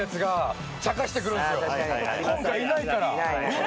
今回いないから。